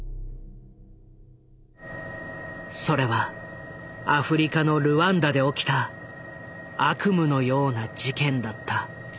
それはアフリカのルワンダで起きた悪夢のような事件だった。